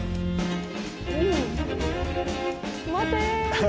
「待て！」。